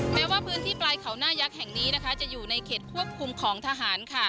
แม้ว่าพื้นที่ปลายเขาหน้ายักษ์แห่งนี้จะอยู่ในเขตควบคุมของทหาร